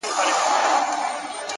علم د انسان راتلونکی جوړوي,